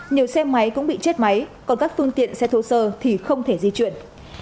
nhiều xe máy cũng bị chết máy còn các phương tiện xe thô sơ thì không thể di chuyển